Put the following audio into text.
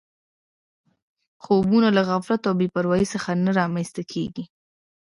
خوبونه له غفلت او بې پروایۍ څخه نه رامنځته کېږي